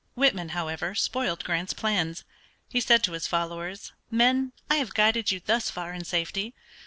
Whitman, however, spoiled Grant's plans. He said to his followers, "Men, I have guided you thus far in safety.